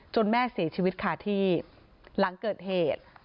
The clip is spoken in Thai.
แม่เสียชีวิตค่ะที่หลังเกิดเหตุ